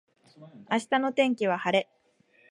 明日の天気は晴れ